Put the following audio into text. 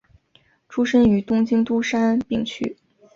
出身于东京都杉并区。